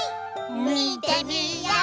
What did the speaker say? みてみよう！